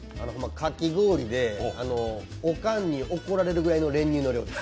かき氷でおかんに怒られるぐらいの練乳の量です。